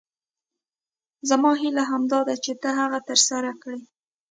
زما هیله همدا ده چې ته هغه تر سره کړې.